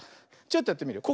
ちょっとやってみるよ。